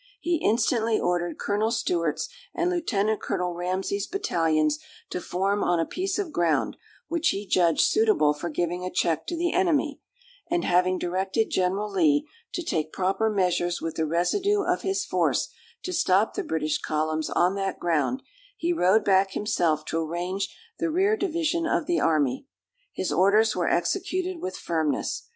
He instantly ordered Colonel Stewart's and Lieutenant Colonel Ramsay's battalions to form on a piece of ground, which he judged suitable for giving a check to the enemy; and, having directed General Lee to take proper measures with the residue of his force to stop the British columns on that ground, he rode back himself to arrange the rear division of the army. His orders were executed with firmness.